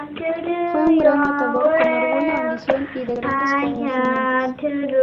Fue un gran matador, con orgullo, ambición y de grandes conocimientos.